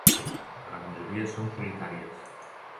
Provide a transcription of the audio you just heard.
La gran majoria són solitàries.